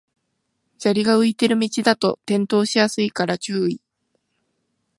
砂利が浮いてる道だと転倒しやすいから注意